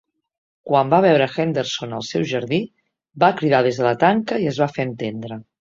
Quan ve veure Henderson al seu jardí, va cridar des de la tanca i es va fe entendre.